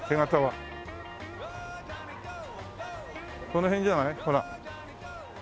この辺じゃない？ほら。